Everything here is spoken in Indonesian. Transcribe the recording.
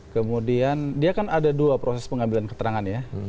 kemudian dia kan ada dua proses pengambilan keterangan ya